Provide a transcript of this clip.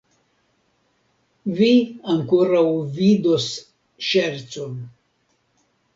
Vi ankoraŭ vidos ŝercon!